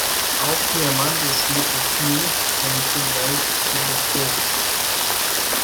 Auch Diamant ist lipophil und zugleich hydrophob.